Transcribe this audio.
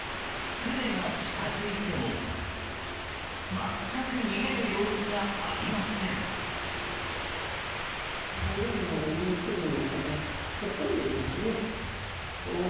船が近づいても全く逃げる様子がありません。